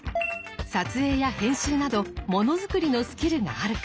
撮影や編集などもの作りのスキルがあるか。